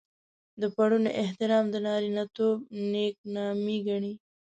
د پړوني احترام د نارينه توب نېکنامي ګڼي.